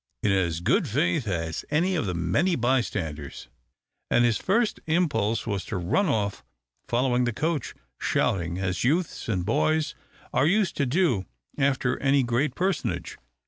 in as good faith as any of the many bystanders; and his first impulse was to run off, following the coach, shouting, as youths and boys are used to do after any great personage.